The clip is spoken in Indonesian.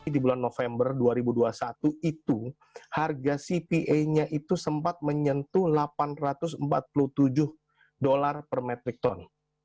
di bulan november dua ribu dua puluh satu itu harga cpa nya itu sempat menyentuh delapan ratus empat puluh tujuh dolar per metrik ton